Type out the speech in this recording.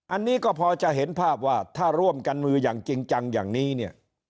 อันนี้ก็พอจะเห็นภาพว่าถ้าร่วมกันมืออย่างจริงจังอย่างนี้เนี่ย